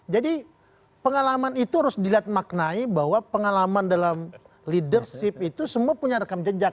jadi pengalaman itu harus dilihat maknai bahwa pengalaman dalam leadership itu semua punya rekam jejak